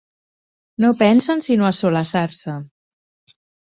No pensen sinó a solaçar-se.